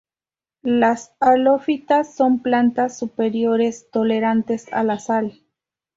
Las halófitas son plantas superiores tolerantes a la sal.